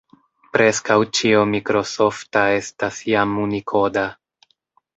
Preskaŭ ĉio mikrosofta estas jam unikoda.